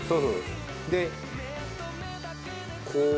でこう。